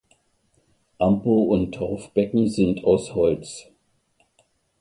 Ambo und Taufbecken sind aus Holz.